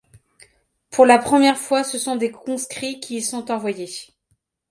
Pour la première fois, ce sont des conscrits qui y sont envoyés.